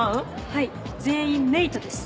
はい全員「メイト」です。